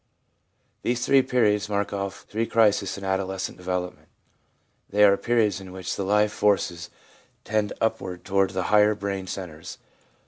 These three periods mark off three crises in adoles cent development ; they are periods in which the life forces tend upward toward the higher brain centres.